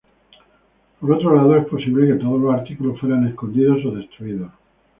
Por otro lado, es posible que todos los artículos fueran escondidos o destruidos.